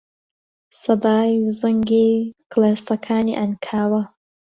سەدای زەنگی کڵێسەکانی عەنکاوە